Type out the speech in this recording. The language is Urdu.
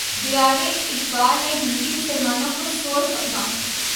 دیا اقبالؔ نے ہندی مسلمانوں کو سوز اپنا